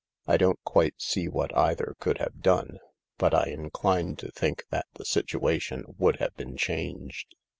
I don't quite see what either could have done — but I incline to think that the situation would have been changed.